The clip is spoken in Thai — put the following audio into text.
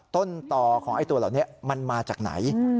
ต้นต่อของไอ้ตัวเหล่านี้มันมาจากไหน